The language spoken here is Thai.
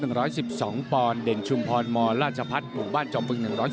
หนึ่งร้อยสิบสองปอนแดนชุมพรหมอลาจพัตป์หมู่บ้านจบครึง